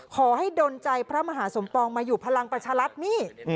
ดนใจพระมหาสมปองมาอยู่พลังประชารัฐนี่